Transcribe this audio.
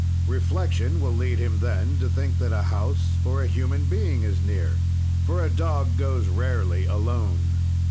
"Reflection will lead him then to think that a house or a human being is near, for a dog goes rarely alone.